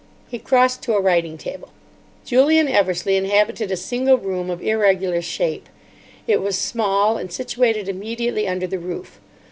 He crossed to a writing table. Julian Eversleigh inhabited a single room of irregular shape. It was small, and situated immediately under the roof.